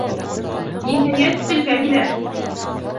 Ниһайәт, телгә килә: